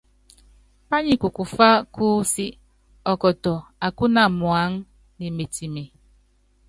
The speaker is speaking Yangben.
Pányi kukufá kúúsí, ɔkɔtɔ akúna muáŋá, nemetime.